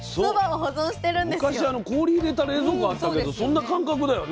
昔氷入れた冷蔵庫あったけどそんな感覚だよね。